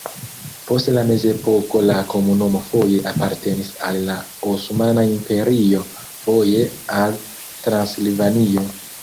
Post la mezepoko la komunumo foje apartenis al la Osmana Imperio, foje al Transilvanio.